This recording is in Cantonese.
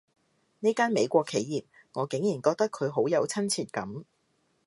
呢間美國企業，我竟然覺得佢好有親切感